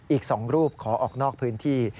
อีก๒รูปขอออกนอกพื้นที่